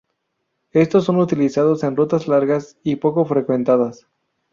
Estos son utilizados en rutas largas y poco frecuentadas.